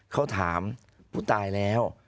เขาถามผู้ตายแล้ว